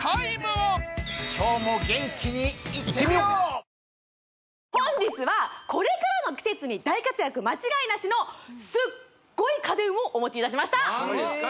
おふとんあったかい本日はこれからの季節に大活躍間違いなしのすっごい家電をお持ちいたしました何ですか？